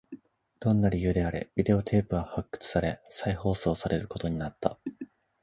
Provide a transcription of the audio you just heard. どんな理由であれ、ビデオテープは発掘され、再放送されることになった